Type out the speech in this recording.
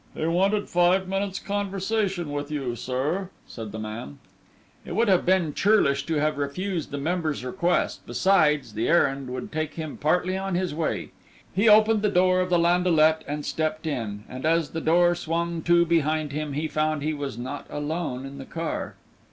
"He wanted five minutes' conversation with you, sir," said the man. It would have been churlish to have refused the member's request; besides, the errand would take him partly on his way. He opened the door of the landaulet and stepped in, and as the door swung to behind him, he found he was not alone in the car.